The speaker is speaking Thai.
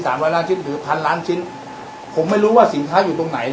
ร้อยล้านชิ้นหรือพันล้านชิ้นผมไม่รู้ว่าสินค้าอยู่ตรงไหน